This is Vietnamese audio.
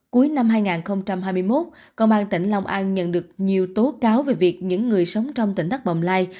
cuối năm hai nghìn hai mươi một công an tỉnh long an nhận được nhiều tố cáo về việc những người sống trong tỉnh đắk bồng lai